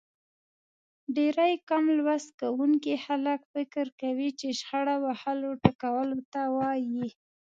ډېری کم لوست کوونکي خلک فکر کوي چې شخړه وهلو ټکولو ته وايي.